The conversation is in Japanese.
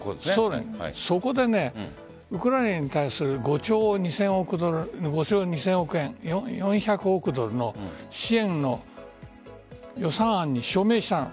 そこでウクライナに対する５兆２０００億円４００億ドルの支援の予算案に署名した。